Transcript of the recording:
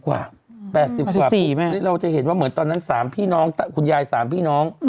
๘๐กว่าเราจะเห็นว่าเหมือนตอนนั้น๓พี่น้องคุณยาย๓พี่น้อง